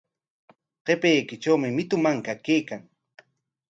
Qapaykitrawmi mitu manka kaykan.